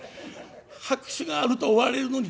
拍手があると終われるのに。